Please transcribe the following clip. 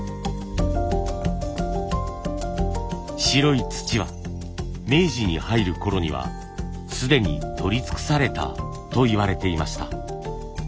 白い土は明治に入るころにはすでに採り尽くされたといわれていました。